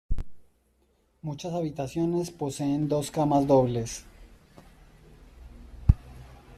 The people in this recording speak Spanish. Muchas habitaciones poseen dos camas dobles.